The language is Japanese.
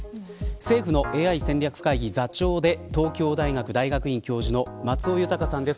政府のＡＩ戦略会議座長で東京大学大学院教授の松尾豊さんです。